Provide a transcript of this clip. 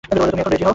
তুমি এখনও রেডি নও।